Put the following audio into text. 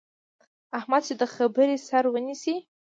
احمد چې د خبرې سر ونیسي،